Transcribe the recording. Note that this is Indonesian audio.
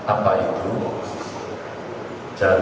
apa itu jalur yang pas